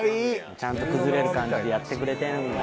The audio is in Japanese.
ちゃんと崩れる感じでやってくれてるんだ。